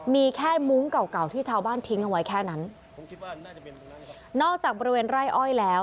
มีแค่มุ้งเก่าเก่าที่ชาวบ้านทิ้งเอาไว้แค่นั้นนอกจากบริเวณไร่อ้อยแล้ว